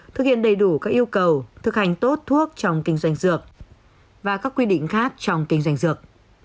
thực hiện đầy đủ các yêu cầu thực hành tốt thuốc trong kinh doanh dược và các quy định khác trong kinh doanh dược